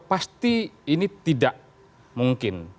pasti ini tidak mungkin